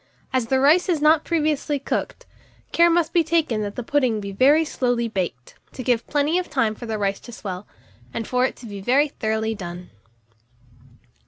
As the rice is not previously cooked, care must be taken that the pudding be very slowly baked, to give plenty of time for the rice to swell, and for it to be very thoroughly done.